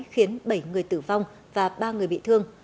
khiến bảy người tử vong và ba người bị thương